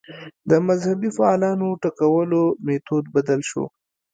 د مذهبي فعالانو ټکولو میتود بدل شو